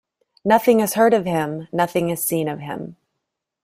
Nothing is heard of him, nothing is seen of him.